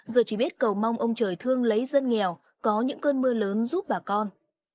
giờ chỉ biết cầu mong ông trời thương lấy dân nghèo có những cơn mưa lớn giúp bà con